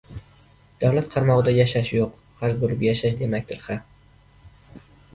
davlat qaramog‘ida yashash... yo‘q, qarz bo‘lib yashash demakdir, ha!